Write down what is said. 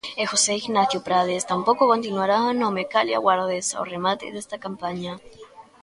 E José Ignacio Prades tampouco continuará no Mecalia Guardés ao remate desta campaña.